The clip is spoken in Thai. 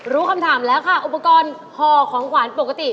รู้คำถามแล้วค่ะอุปกรณ์ห่อของขวานปกติ